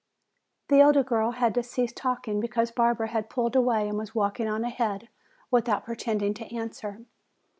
The older girl had to cease talking because Barbara had pulled away and was walking on ahead without pretending to answer.